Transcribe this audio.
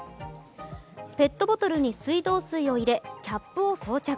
ペットボトルに水道水を入れ、キャップを装着。